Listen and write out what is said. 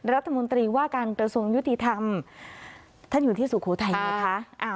รัฐมนตรีว่าการกระทรวงยุติธรรมท่านอยู่ที่สุโขทัยนะคะ